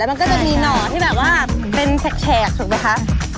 มันก็จะมีหน่อที่แบบว่าเป็นแขกถูกไหมคะ